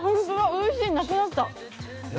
おいしい、なくなった。